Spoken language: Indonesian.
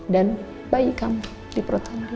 dan bayi kamu di perut andin